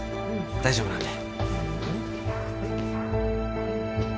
大丈夫なんで。